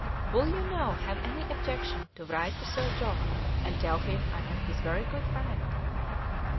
Will you now have any objection to write to Sir John, and tell him I am his very good friend?"